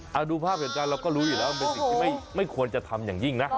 หาดูภาพเห็นจากก็รู้อยู่ดีเละไม่ควรจะทำอย่างยิ่งนะ